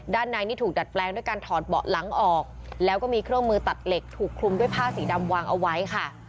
ในนี่ถูกดัดแปลงด้วยการถอดเบาะหลังออกแล้วก็มีเครื่องมือตัดเหล็กถูกคลุมด้วยผ้าสีดำวางเอาไว้ค่ะ